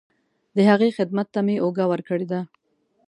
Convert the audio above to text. د هغې خدمت ته مې اوږه ورکړې ده.